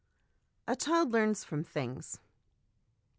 A Child learns from 'Things.'